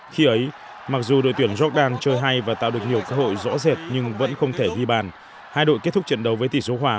khi ấy mặc dù đội tuyển jordan chơi hay và tạo được nhiều cơ hội rõ rệt nhưng vẫn không thể ghi bàn hai đội kết thúc trận đấu với tỷ số hòa